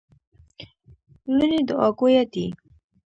لوڼي دوعا ګویه دي.